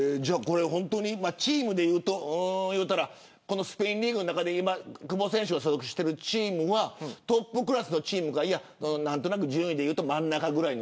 チームでいうとスペインリーグの中で久保選手が所属してるチームはトップクラスのチームか順位でいうと真ん中くらいか。